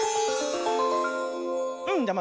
うんじゃあ